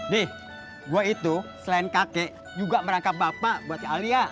nih gue itu selain kakek juga merangkap bapak buat alia